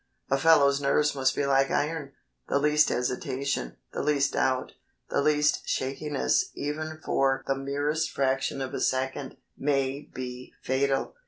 A fellow's nerves must be like iron. The least hesitation, the least doubt, the least shakiness even for the merest fraction of a second, may be fatal.